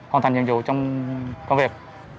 hoàn thành nhiệm vụ trong công việc